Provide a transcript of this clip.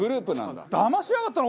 だましやがったな！